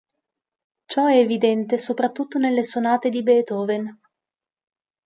Ciò è evidente soprattutto nelle sonate di Beethoven.